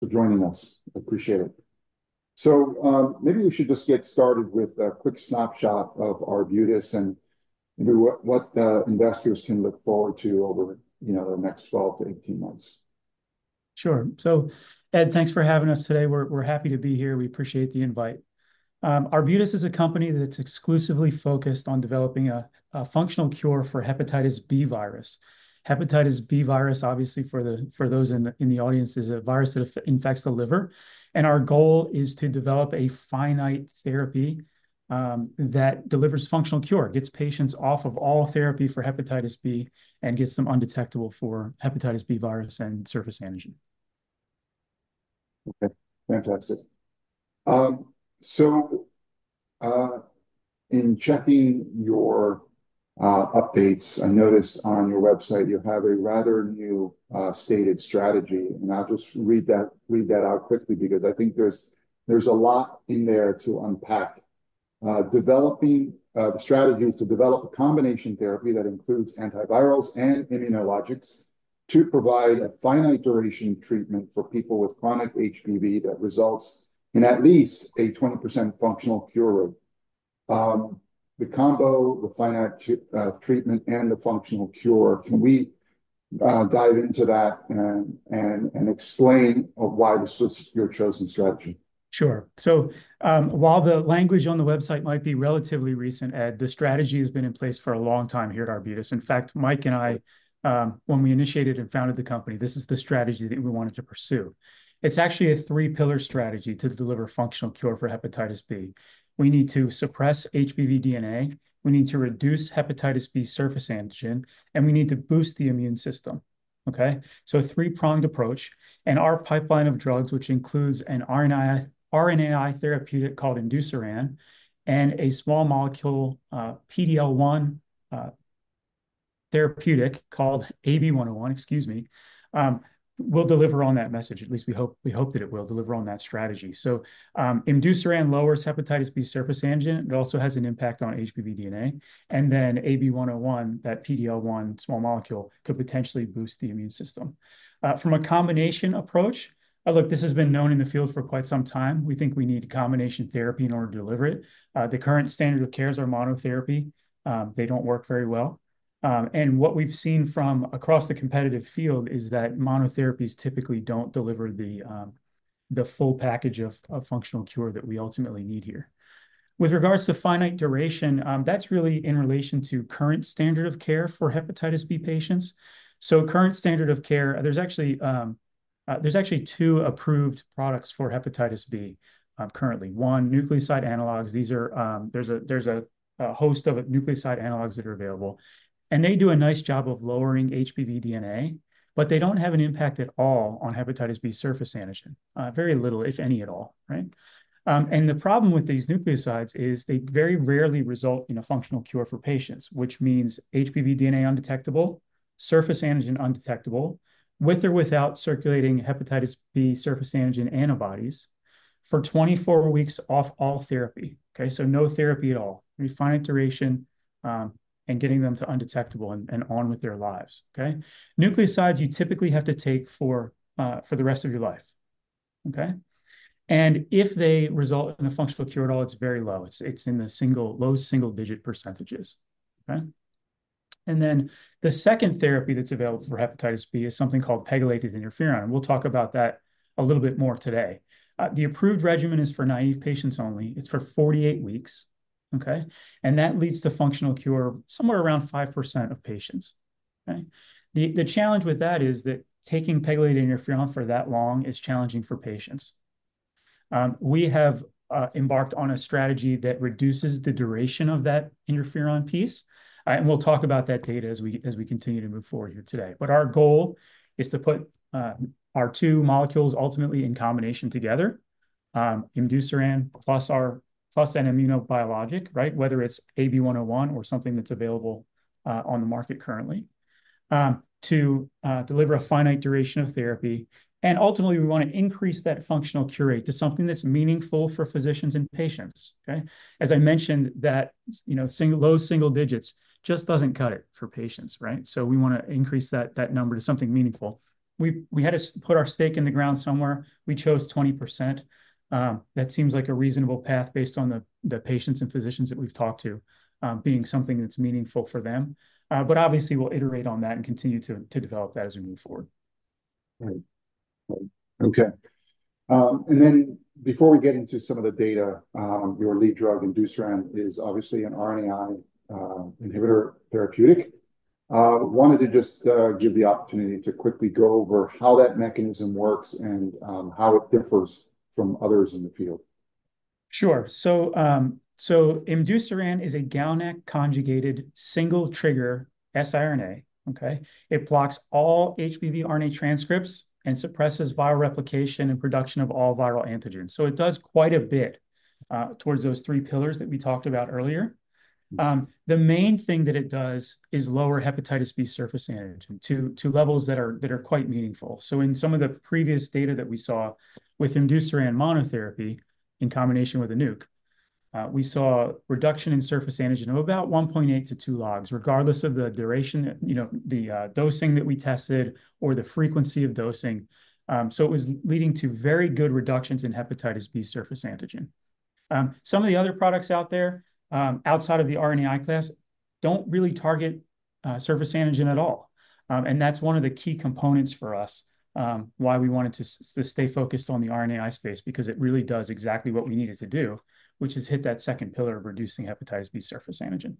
for joining us. Appreciate it. So, maybe we should just get started with a quick snapshot of Arbutus and maybe what investors can look forward to over, you know, the next twelve to eighteen months. Sure. So Ed, thanks for having us today. We're happy to be here. We appreciate the invite. Arbutus is a company that's exclusively focused on developing a functional cure for hepatitis B virus. Hepatitis B virus, obviously, for those in the audience, is a virus that infects the liver, and our goal is to develop a finite therapy that delivers functional cure, gets patients off of all therapy for hepatitis B, and gets them undetectable for hepatitis B virus and surface antigen. Okay, fantastic. So, in checking your updates, I noticed on your website you have a rather new stated strategy, and I'll just read that out quickly because I think there's a lot in there to unpack. Developing, the strategy is to develop a combination therapy that includes antivirals and immunologics to provide a finite duration treatment for people with chronic HBV that results in at least a 20% functional cure rate. The combo, the finite treatment, and the functional cure, can we dive into that and explain why this was your chosen strategy? Sure. So, while the language on the website might be relatively recent, Ed, the strategy has been in place for a long time here at Arbutus. In fact, Mike and I, when we initiated and founded the company, this is the strategy that we wanted to pursue. It's actually a three-pillar strategy to deliver functional cure for hepatitis B. We need to suppress HBV DNA, we need to reduce hepatitis B surface antigen, and we need to boost the immune system. Okay? So a three-pronged approach, and our pipeline of drugs, which includes an RNAi therapeutic called Imdusiran, and a small molecule, PD-L1 therapeutic called AB-101, excuse me, will deliver on that message. At least we hope, we hope that it will deliver on that strategy. So, Imdusiran lowers hepatitis B surface antigen. It also has an impact on HBV DNA, and then AB-101, that PD-L1 small molecule, could potentially boost the immune system. From a combination approach, look, this has been known in the field for quite some time. We think we need combination therapy in order to deliver it. The current standard of care is our monotherapy. They don't work very well. And what we've seen from across the competitive field is that monotherapies typically don't deliver the full package of functional cure that we ultimately need here. With regards to finite duration, that's really in relation to current standard of care for hepatitis B patients. So current standard of care, there's actually two approved products for hepatitis B currently. One, nucleoside analogues. These are... There's a host of nucleoside analogues that are available, and they do a nice job of lowering HBV DNA, but they don't have an impact at all on hepatitis B surface antigen, very little, if any at all, right? And the problem with these nucleosides is they very rarely result in a functional cure for patients, which means HBV DNA undetectable, surface antigen undetectable, with or without circulating hepatitis B surface antigen antibodies for twenty-four weeks off all therapy. Okay, so no therapy at all. Finite duration, and getting them to undetectable and on with their lives, okay? Nucleosides, you typically have to take for the rest of your life, okay? And if they result in a functional cure at all, it's very low. It's in the single, low double-digit percentages, right? And then the second therapy that's available for hepatitis B is something called pegylated interferon. We'll talk about that a little bit more today. The approved regimen is for naive patients only. It's for 48 weeks, okay? And that leads to functional cure somewhere around 5% of patients, right? The challenge with that is that taking pegylated interferon for that long is challenging for patients. We have embarked on a strategy that reduces the duration of that interferon piece, and we'll talk about that data as we continue to move forward here today. But our goal is to put our two molecules ultimately in combination together, Imdusiran plus an immunobiologic, right? Whether it's AB-101 or something that's available on the market currently to deliver a finite duration of therapy, and ultimately, we wanna increase that functional cure rate to something that's meaningful for physicians and patients, okay? As I mentioned, that, you know, low single digits just doesn't cut it for patients, right? So we wanna increase that number to something meaningful. We had to put our stake in the ground somewhere. We chose 20%. That seems like a reasonable path based on the patients and physicians that we've talked to, being something that's meaningful for them. But obviously, we'll iterate on that and continue to develop that as we move forward. Right. Right. Okay. And then before we get into some of the data, your lead drug, Imdusiran, is obviously an RNAi inhibitor therapeutic. Wanted to just give the opportunity to quickly go over how that mechanism works and how it differs from others in the field. Sure. So, so Imdusiran is a GalNAc-conjugated single-trigger siRNA, okay? It blocks all HBV RNA transcripts and suppresses viral replication and production of all viral antigens. So it does quite a bit towards those three pillars that we talked about earlier. The main thing that it does is lower hepatitis B surface antigen to levels that are quite meaningful. So in some of the previous data that we saw with Imdusiran monotherapy in combination with a nuc, we saw a reduction in surface antigen of about one point eight to two logs, regardless of the duration, you know, dosing that we tested or the frequency of dosing. So it was leading to very good reductions in hepatitis B surface antigen. Some of the other products out there, outside of the RNAi class, don't really target surface antigen at all, and that's one of the key components for us, why we wanted to stay focused on the RNAi space, because it really does exactly what we need it to do, which is hit that second pillar of reducing hepatitis B surface antigen.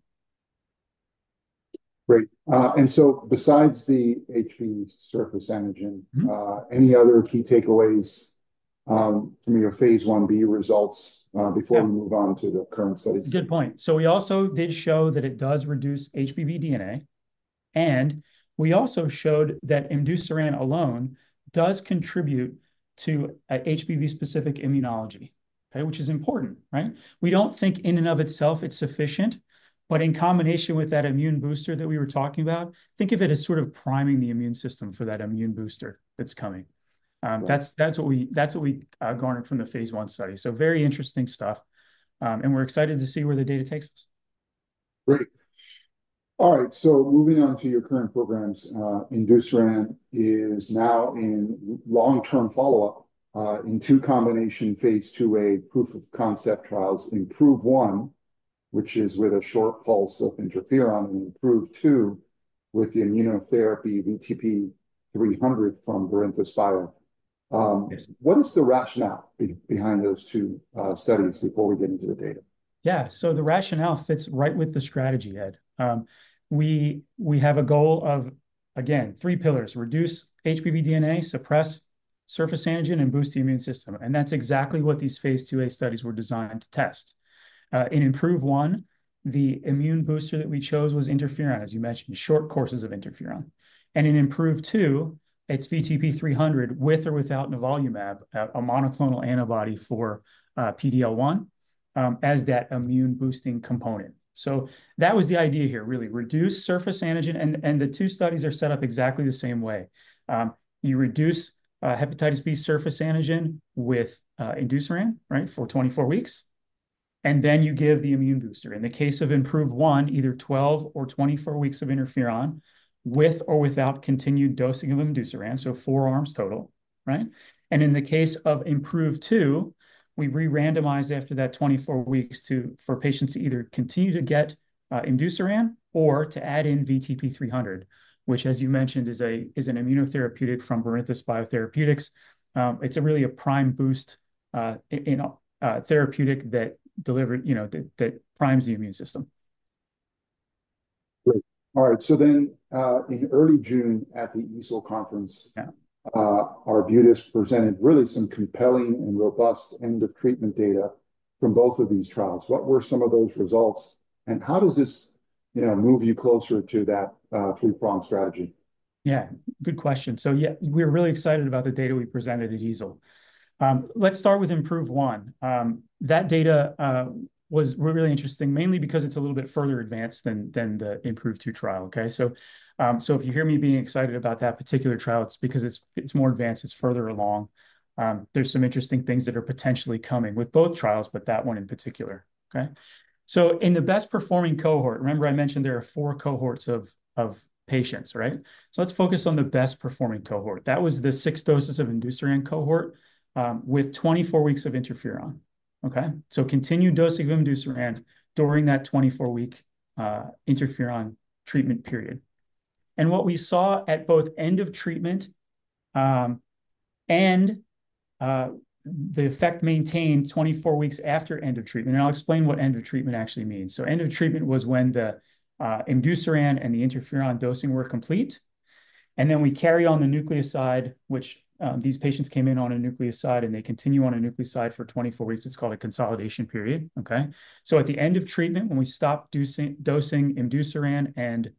Great. And so besides the HBs surface antigen- Mm-hmm. Any other key takeaways from your phase 1b results before- Yeah We move on to the current studies? Good point. So we also did show that it does reduce HBV DNA, and we also showed that imduceran alone does contribute to an HBV-specific immunology, okay? Which is important, right? We don't think in and of itself it's sufficient, but in combination with that immune booster that we were talking about, think of it as sort of priming the immune system for that immune booster that's coming. Right. That's what we garnered from the phase 1 study, so very interesting stuff, and we're excited to see where the data takes us. Great. All right, so moving on to your current programs, imduceran is now in long-term follow-up, in two combination phase 2a proof of concept trials, IMPROVE 1, which is with a short pulse of interferon, and IMPROVE 2, with the immunotherapy VTP-300 from Barinthus Biotherapeutics. Yes. What is the rationale behind those two studies before we get into the data? Yeah, so the rationale fits right with the strategy, Ed. We have a goal of, again, three pillars: reduce HBV DNA, suppress surface antigen, and boost the immune system, and that's exactly what these phase 2a studies were designed to test. In IMPROVE 1, the immune booster that we chose was interferon, as you mentioned, short courses of interferon, and in IMPROVE 2, it's VTP-300, with or without nivolumab, a monoclonal antibody for PD-L1, as that immune-boosting component, so that was the idea here, really, reduce surface antigen, and the two studies are set up exactly the same way. You reduce hepatitis B surface antigen with imduceran, right, for twenty-four weeks, and then you give the immune booster. In the case of IMPROVE 1, either 12 or 24 weeks of interferon, with or without continued dosing of imdusiran, so 4 arms total, right? And in the case of IMPROVE 2, we re-randomized after that 24 weeks to, for patients to either continue to get imdusiran or to add in VTP-300, which, as you mentioned, is an immunotherapeutic from Barinthus Biotherapeutics. It's really a prime boost, you know, therapeutic that, you know, that primes the immune system. Great. All right, so then, in early June, at the EASL conference- Yeah Arbutus presented really some compelling and robust end-of-treatment data from both of these trials. What were some of those results, and how does this, you know, move you closer to that three-pronged strategy? Yeah, good question. So yeah, we're really excited about the data we presented at EASL. Let's start with IMPROVE 1. That data was really interesting, mainly because it's a little bit further advanced than the IMPROVE 2 trial, okay? So if you hear me being excited about that particular trial, it's because it's more advanced, it's further along. There's some interesting things that are potentially coming with both trials, but that one in particular, okay? So in the best-performing cohort, remember I mentioned there are four cohorts of patients, right? So let's focus on the best-performing cohort. That was the six doses of Imdusiran cohort with 24 weeks of interferon, okay? So continued dosing of Imdusiran during that 24-week interferon treatment period. And what we saw at both end of treatment, and the effect maintained twenty-four weeks after end of treatment, and I'll explain what end of treatment actually means. So end of treatment was when the imduceran and the interferon dosing were complete, and then we carry on the nucleoside, which these patients came in on a nucleoside, and they continue on a nucleoside for twenty-four weeks. It's called a consolidation period, okay? So at the end of treatment, when we stopped dosing imduceran and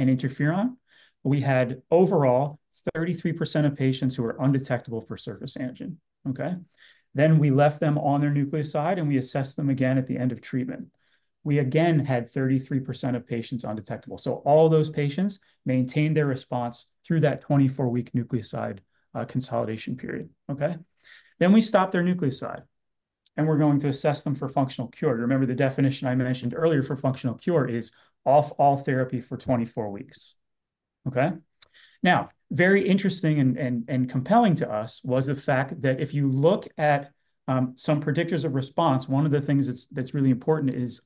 interferon, we had overall 33% of patients who were undetectable for surface antigen, okay? Then we left them on their nucleoside, and we assessed them again at the end of treatment. We again had 33% of patients undetectable. So all those patients maintained their response through that twenty-four-week nucleoside consolidation period, okay? Then we stopped their nucleoside, and we're going to assess them for functional cure. Remember, the definition I mentioned earlier for functional cure is off all therapy for twenty-four weeks, okay? Now, very interesting and compelling to us was the fact that if you look at some predictors of response, one of the things that's really important is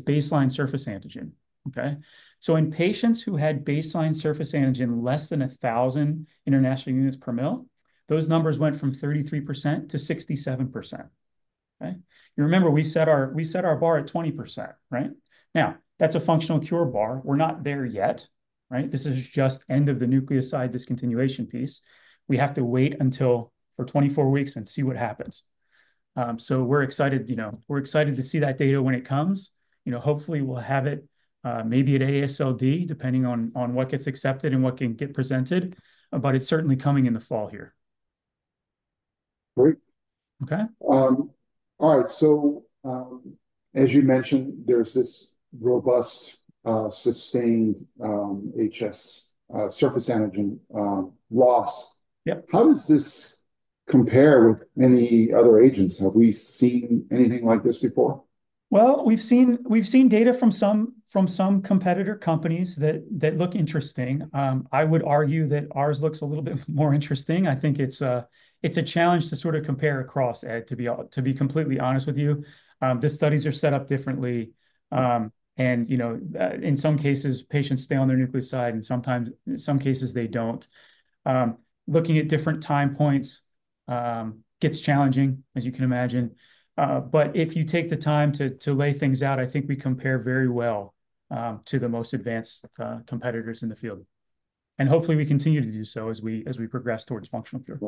baseline surface antigen, okay? So in patients who had baseline surface antigen less than a thousand international units per ml, those numbers went from 33%-67%, okay? You remember, we set our bar at 20%, right? Now, that's a functional cure bar. We're not there yet, right? This is just end of the nucleoside discontinuation piece. We have to wait for 24 weeks and see what happens. So we're excited, you know, we're excited to see that data when it comes. You know, hopefully, we'll have it, maybe at AASLD, depending on what gets accepted and what can get presented, but it's certainly coming in the fall here. Great. Okay? All right, so, as you mentioned, there's this robust, sustained, HBs surface antigen loss. Yeah. How does this compare with many other agents? Have we seen anything like this before? We've seen data from some competitor companies that look interesting. I would argue that ours looks a little bit more interesting. I think it's a challenge to sort of compare across, Ed, to be completely honest with you. The studies are set up differently, and, you know, in some cases, patients stay on their nucleoside, and sometimes, in some cases they don't. Looking at different time points gets challenging, as you can imagine. But if you take the time to lay things out, I think we compare very well to the most advanced competitors in the field. Hopefully, we continue to do so as we progress towards functional cure.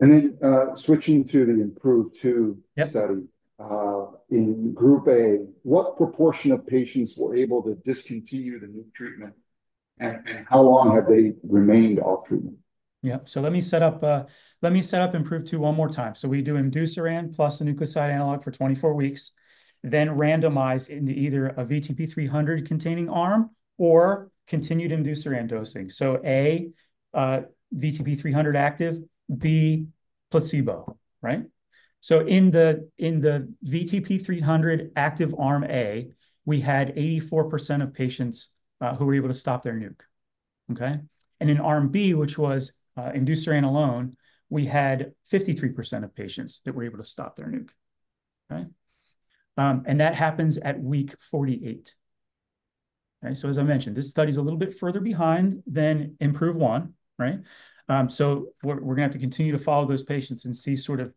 And then, switching to the IMPROVE 2. Yep In Group A, what proportion of patients were able to discontinue the nuke treatment, and how long have they remained off treatment? Yep. So let me set up IMPROVE 2 one more time. So we do imdusiran plus a nucleoside analog for 24 weeks, then randomize into either a VTP-300 containing arm or continued imdusiran dosing. So A, VTP-300 active, B, placebo, right? So in the VTP-300 active arm A, we had 84% of patients who were able to stop their nuke, okay? And in arm B, which was imdusiran alone, we had 53% of patients that were able to stop their nuke, okay? And that happens at week 48. Okay, so as I mentioned, this study's a little bit further behind than IMPROVE 1, right? So we're gonna have to continue to follow those patients and see sort of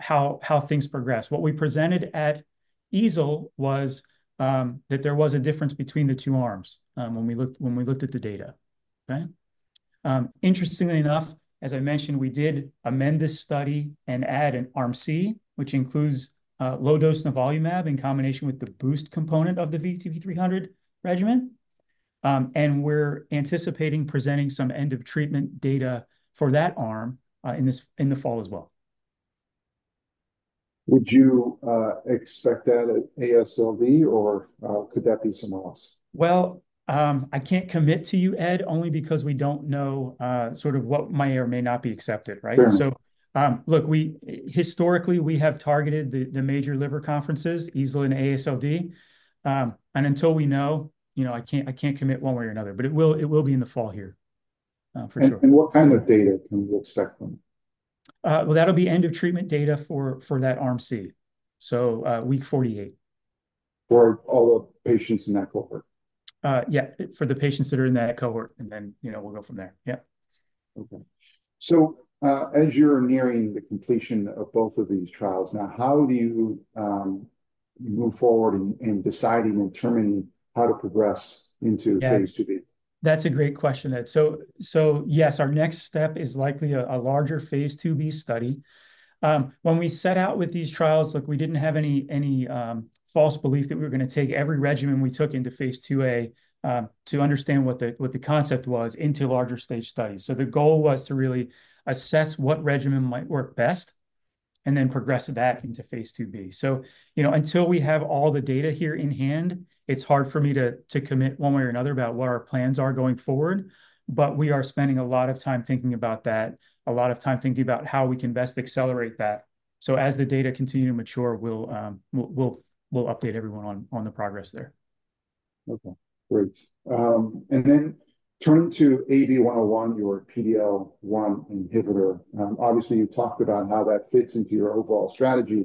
how things progress. What we presented at EASL was that there was a difference between the two arms when we looked at the data, okay? Interestingly enough, as I mentioned, we did amend this study and add an arm C, which includes low dose nivolumab in combination with the boost component of the VTP-300 regimen, and we're anticipating presenting some end-of-treatment data for that arm in the fall as well. Would you expect that at AASLD, or could that be somewhere else? I can't commit to you, Ed, only because we don't know sort of what may or may not be accepted, right? Yeah. So, look, we have historically targeted the major liver conferences, EASL and AASLD. And until we know, you know, I can't commit one way or another, but it will be in the fall here, for sure. What kind of data can we expect from? Well, that'll be end-of-treatment data for that arm C. So, week 48. For all the patients in that cohort? Yeah, for the patients that are in that cohort, and then, you know, we'll go from there. Yeah. Okay. So, as you're nearing the completion of both of these trials, now, how do you move forward in deciding and determining how to progress into- Yeah phase 2b? That's a great question, Ed. So yes, our next step is likely a larger phase 2b study. When we set out with these trials, look, we didn't have any false belief that we were gonna take every regimen we took into phase 2a to understand what the concept was into larger stage studies. So the goal was to really assess what regimen might work best and then progress back into phase 2b. So, you know, until we have all the data here in hand, it's hard for me to commit one way or another about what our plans are going forward, but we are spending a lot of time thinking about that, a lot of time thinking about how we can best accelerate that. So as the data continue to mature, we'll update everyone on the progress there. Okay, great. And then turning to AB-101, your PD-L1 inhibitor, obviously, you've talked about how that fits into your overall strategy.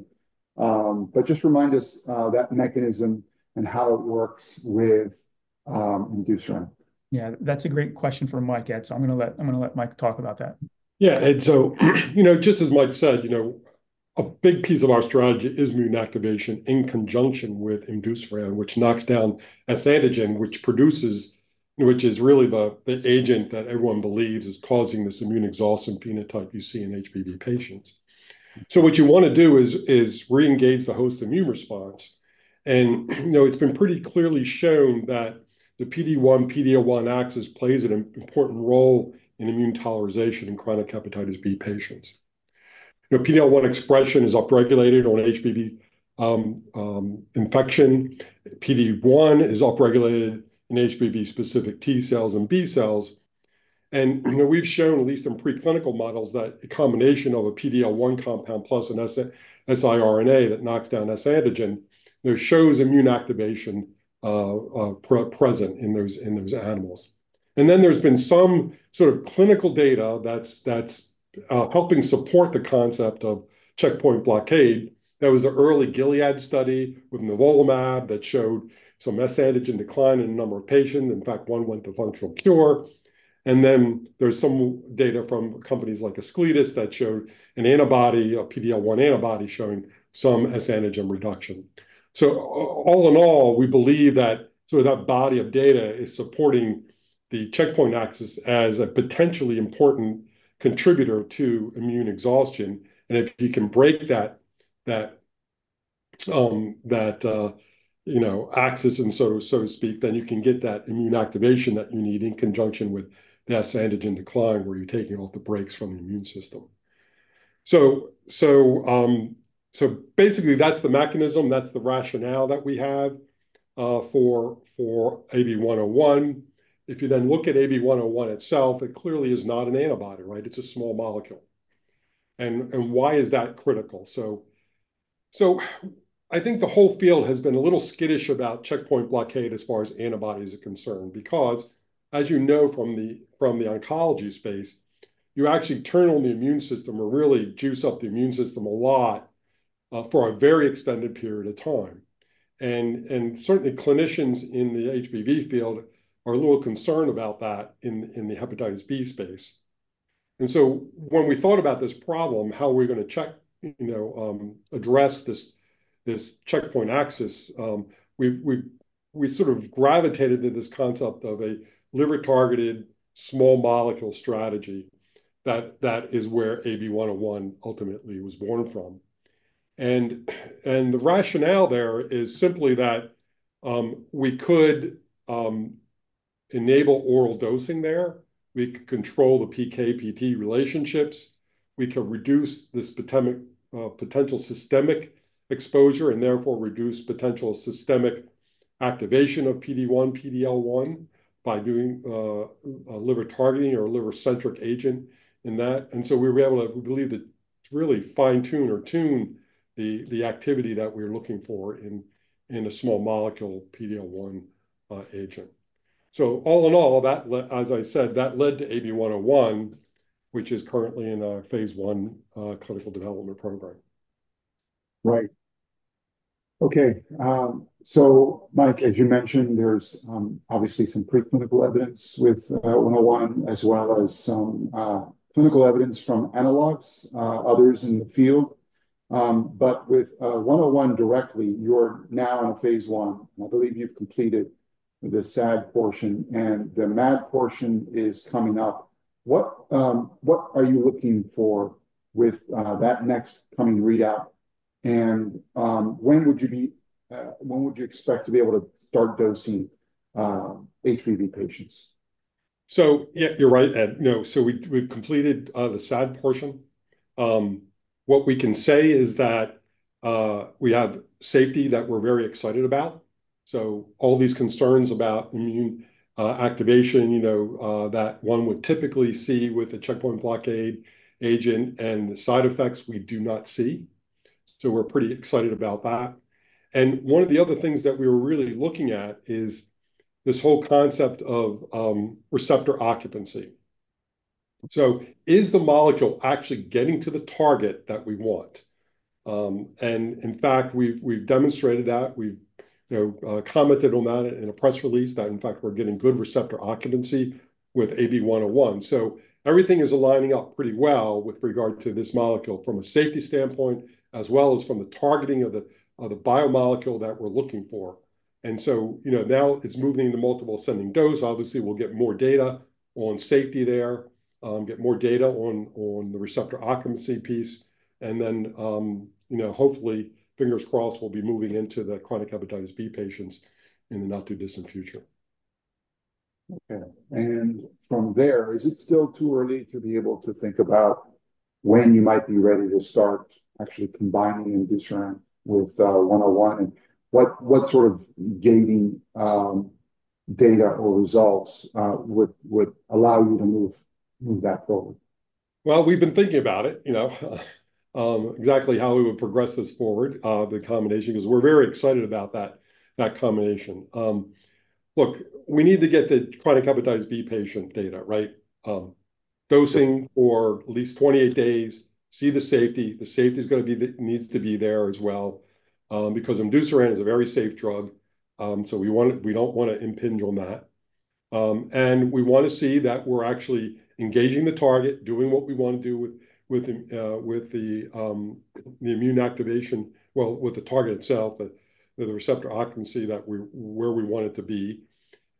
But just remind us, that mechanism and how it works with imduceran. Yeah, that's a great question for Mike, Ed, so I'm gonna let, I'm gonna let Mike talk about that. Yeah, and so, you know, just as Mike said, you know, a big piece of our strategy is immune activation in conjunction with imduceran, which knocks down S antigen, which is really the agent that everyone believes is causing this immune exhaustion phenotype you see in HBV patients. So what you wanna do is re-engage the host immune response, and, you know, it's been pretty clearly shown that the PD-1, PD-L1 axis plays an important role in immune tolerization in chronic hepatitis B patients. You know, PD-L1 expression is upregulated on HBV infection. PD-1 is upregulated in HBV-specific T-cells and B-cells, and, you know, we've shown, at least in preclinical models, that a combination of a PD-L1 compound plus an siRNA that knocks down S antigen, you know, shows immune activation present in those animals. And then, there's been some sort of clinical data that's helping support the concept of checkpoint blockade. There was an early Gilead study with nivolumab that showed some S antigen decline in a number of patients. In fact, one went to functional cure. And then, there's some data from companies like Ascletis that showed an antibody, a PD-L1 antibody, showing some S antigen reduction. So all in all, we believe that sort of that body of data is supporting the checkpoint axis as a potentially important contributor to immune exhaustion, and if you can break that, that, you know, axis and so to speak, then you can get that immune activation that you need in conjunction with the S antigen decline, where you're taking off the brakes from the immune system. So basically that's the mechanism, that's the rationale that we have for AB-101. If you then look at AB-101 itself, it clearly is not an antibody, right? It's a small molecule. And why is that critical? So I think the whole field has been a little skittish about checkpoint blockade as far as antibodies are concerned, because as you know from the oncology space, you actually turn on the immune system or really juice up the immune system a lot for a very extended period of time. And certainly clinicians in the HBV field are a little concerned about that in the hepatitis B space. And so when we thought about this problem, how are we gonna check, you know, address this checkpoint axis, we sort of gravitated to this concept of a liver-targeted small molecule strategy, that is where AB-101 ultimately was born from, and the rationale there is simply that we could enable oral dosing there. We could control the PK/PD relationships. We could reduce the potential systemic exposure, and therefore reduce potential systemic activation of PD-1, PD-L1 by doing a liver targeting or a liver-centric agent in that, and so we were able to, we believe, really fine-tune or tune the activity that we're looking for in a small molecule PD-L1 agent, so all in all, as I said, that led to AB-101, which is currently in our phase 1 clinical development program. Right. Okay, so Mike, as you mentioned, there's obviously some preclinical evidence with AB-101, as well as some clinical evidence from analogs, others in the field. But with AB-101 directly, you're now in phase 1, and I believe you've completed the SAD portion, and the MAD portion is coming up. What are you looking for with that next coming readout? And when would you expect to be able to start dosing HBV patients? So yeah, you're right, Ed. You know, so we, we've completed the SAD portion. What we can say is that we have safety that we're very excited about. So all these concerns about immune activation, you know, that one would typically see with the checkpoint blockade agent and the side effects, we do not see. So we're pretty excited about that. And one of the other things that we were really looking at is this whole concept of receptor occupancy. So is the molecule actually getting to the target that we want? And in fact, we've demonstrated that. We've, you know, commented on that in a press release, that, in fact, we're getting good receptor occupancy with AB-101. Everything is aligning up pretty well with regard to this molecule from a safety standpoint, as well as from the targeting of the biomolecule that we're looking for. You know, now it's moving into multiple ascending dose. Obviously, we'll get more data on safety there, get more data on the receptor occupancy piece, and then, you know, hopefully, fingers crossed, we'll be moving into the chronic hepatitis B patients in the not-too-distant future. Okay. And from there, is it still too early to be able to think about when you might be ready to start actually combining imdusiran with AB-101? And what sort of gating data or results would allow you to move that forward? We've been thinking about it, you know, exactly how we would progress this forward, the combination, because we're very excited about that, that combination. Look, we need to get the chronic hepatitis B patient data, right? Dosing for at least 28 days, see the safety. The safety needs to be there as well, because Imdusiran is a very safe drug, so we want to, we don't wanna impinge on that, and we wanna see that we're actually engaging the target, doing what we want to do with the immune activation, well, with the target itself, the receptor occupancy where we want it to be.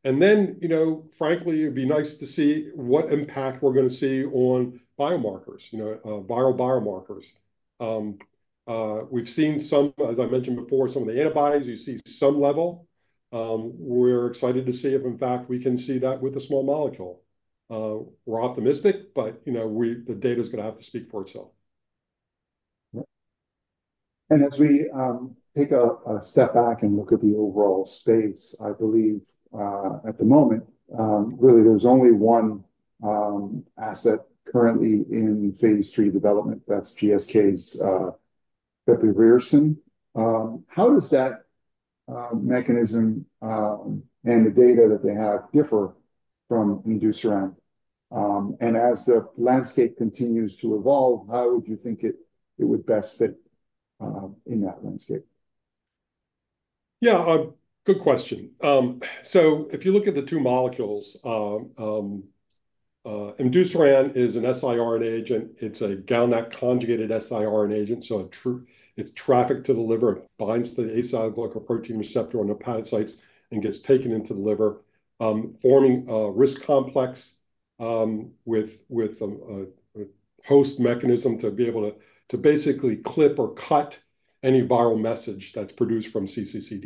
Then, you know, frankly, it'd be nice to see what impact we're gonna see on biomarkers, you know, viral biomarkers. We've seen some, as I mentioned before, some of the antibodies, you see some level. We're excited to see if, in fact, we can see that with a small molecule. We're optimistic, but, you know, we - the data's gonna have to speak for itself. Right. And as we take a step back and look at the overall space, I believe at the moment really there's only one asset currently in phase three development. That's GSK's bepirovirsen. How does that mechanism and the data that they have differ from Imdusiran? And as the landscape continues to evolve, how would you think it would best fit in that landscape? Yeah, a good question, so if you look at the two molecules, Imdusiran is an siRNA agent. It's a GalNAc conjugated siRNA agent, so it's trafficked to the liver, it binds to the asialoglycoprotein receptor on the hepatocytes and gets taken into the liver, forming a RISC complex with a host mechanism to be able to basically clip or cut any viral message that's produced from cccDNA-